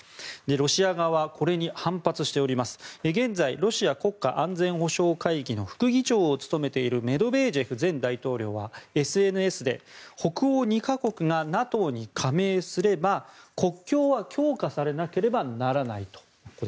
ロシア側はこれに反発しており現在、ロシア国家安全保障会議の副議長を務めているメドベージェフ前大統領はＳＮＳで、北欧２か国がＮＡＴＯに加盟すれば国境は強化されなければならないと。